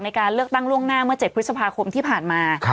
ในการเลือกตั้งล่วงหน้าเมื่อ๗พฤษภาคมที่ผ่านมา